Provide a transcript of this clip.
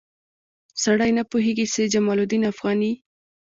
سړی نه پوهېږي چې سید جمال الدین افغاني.